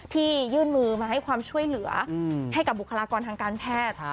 ยื่นมือมาให้ความช่วยเหลือให้กับบุคลากรทางการแพทย์